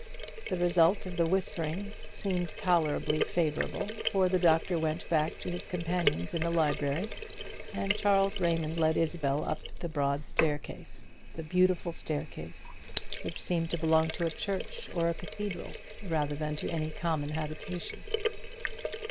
The result of the whispering seemed tolerably favourable, for the doctor went back to his companions in the library, and Charles Raymond led Isabel up the broad staircase; the beautiful staircase which seemed to belong to a church or a cathedral rather than to any common habitation.